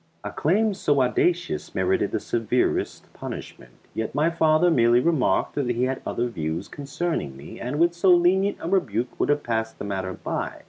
A claim so audacious merited the severest punishment, yet my father merely remarked that he had other views concerning me, and with so lenient a rebuke would have passed the matter by.